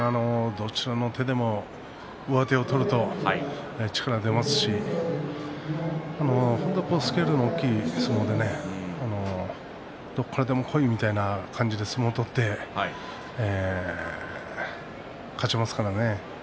どちらの手でも上手を取ると力が出ますし本当にスケールの大きい相撲でどこからでもこいという感じで相撲を取って勝ちますからね。